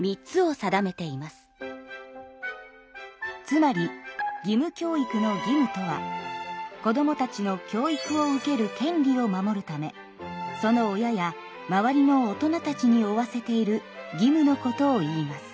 つまり義務教育の義務とは子どもたちの教育を受ける権利を守るためその親や周りの大人たちに負わせている義務のことをいいます。